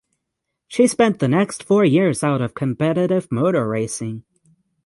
She spent the next four years out of competitive motor racing.